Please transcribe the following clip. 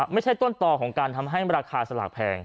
ไม่ใช่ต้นต่อของการทำให้ราคาสลากแพง